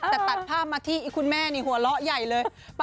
แต่ตัดภาพมาที่คุณแม่นี่หัวร้อง